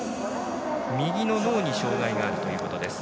右の脳に障がいがあるということです。